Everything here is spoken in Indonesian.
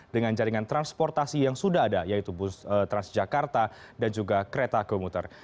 dengan jaringan transportasi yang sudah ada yaitu bus transjakarta dan juga kereta komuter